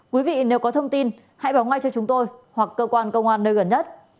quý vị nếu có thông tin hãy báo ngay cho chúng tôi hoặc cơ quan công an nơi gần nhất